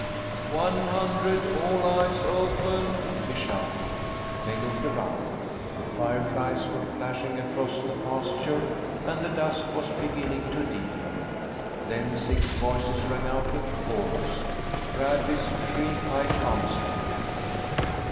" One hun dred all eyes open !" he shouted. They looked around. The fireflies were flashing across the pasture and the dusk was beginning to deepen. Then six voices rang out in chorus, Brad ley's shrill pipe answering them.